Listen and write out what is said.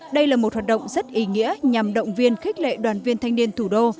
đây là một hoạt động rất ý nghĩa nhằm động viên khích lệ đoàn viên thanh niên thủ đô